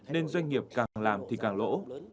nên doanh nghiệp càng làm thì càng lỗ